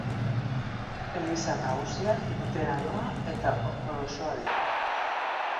Eliza nagusiak luteranoa eta ortodoxoa dira.